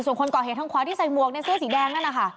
ส่วนคนก่อเหตุทางขวาที่ใส่หมวกในเสื้อสีแดงนั่นนะคะ